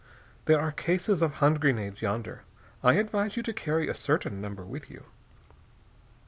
There are cases of hand grenades yonder. I advise you to carry a certain number with you.